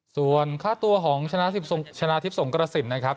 ส่วนค่าตัวของชนะชนะทิพย์สงกระสินนะครับ